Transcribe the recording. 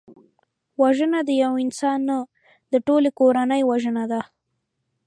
وژنه د یو انسان نه، د ټولي کورنۍ وژنه ده